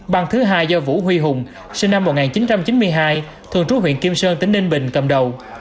băng thứ hai do vũ huy hùng sinh năm một nghìn chín trăm chín mươi hai thường trú huyện kim sơn tỉnh ninh bình cầm đầu